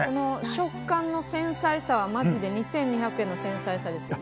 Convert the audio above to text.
食感の繊細さはマジで２２００円の繊細さですね。